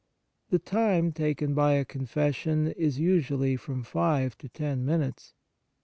The time taken by a confession is usually from five to ten minutes.